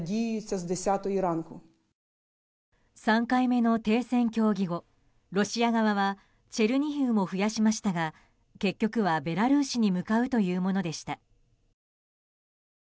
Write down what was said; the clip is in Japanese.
３回目の停戦協議後ロシア側はチェルニヒウも増やしましたが結局はベラルーシに向かうというものでした。